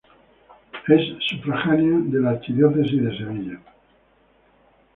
Es sufragánea de la archidiócesis de Sevilla.